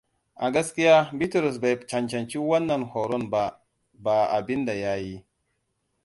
A gaskiya Bitrus bai cancanci wannan horonba ba abinda ya yi.